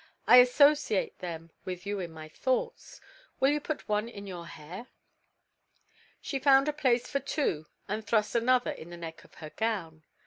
"I associate them with you in my thoughts. Will you put one in your hair?" She found a place for two and thrust another in the neck of her gown.